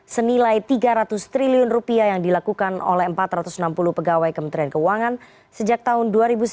senilai tiga ratus triliun rupiah yang dilakukan oleh empat ratus enam puluh pegawai kementerian keuangan sejak tahun dua ribu sembilan dua ribu dua puluh tiga